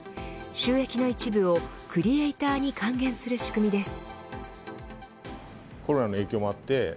収益の一部をクリエイターに還元する仕組みです。